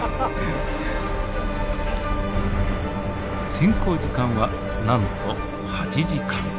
潜航時間はなんと８時間。